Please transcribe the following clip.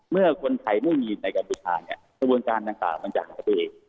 เมื่อคนไทยไม่มีในการประสุทธาประวัติการต่างมันจะหาตัวเอง